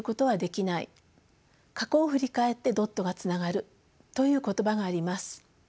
過去を振り返ってドットがつながる」という言葉があります。